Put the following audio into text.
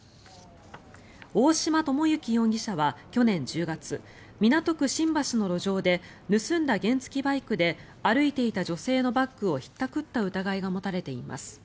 大島智幸容疑者は去年１０月港区新橋の路上で盗んだ原付きバイクで歩いていた女性のバッグをひったくった疑いが持たれています。